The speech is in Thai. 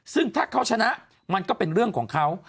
ซึ่งถ้าเขาชนะมันก็เป็นเรื่องของเขา